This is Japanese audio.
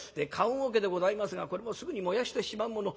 「棺おけでございますがこれもすぐに燃やしてしまうもの。